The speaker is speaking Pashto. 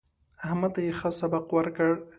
احمد ته يې ښه سبق ورکړ.